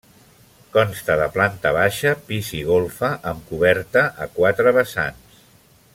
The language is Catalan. Consta de planta baixa, pis i golfa amb coberta a quatre vessants.